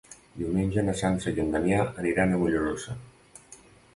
Diumenge na Sança i en Damià aniran a Mollerussa.